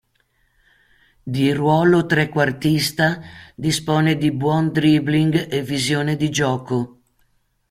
Di ruolo trequartista, dispone di buon dribbling e visione di gioco.